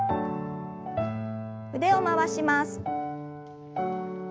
腕を回します。